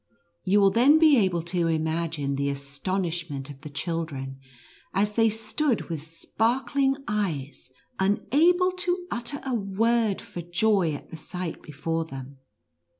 You will then "be able to im agine the astonishment of the children, as they stood with sparkling eyes, unable to utter a word, for joy at the sight before them.